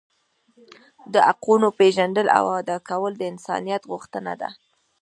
د حقونو پیژندل او ادا کول د انسانیت غوښتنه ده.